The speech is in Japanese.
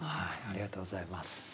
ありがとうございます。